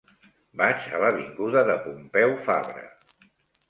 Vaig a l'avinguda de Pompeu Fabra.